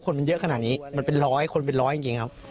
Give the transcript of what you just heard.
คนมันเยอะขนาดนี้มันเป็นร้อยคนเป็นร้อยจริงครับ